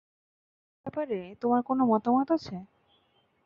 Posting এর ব্যাপারে তোমার কোনো মতামত আছে?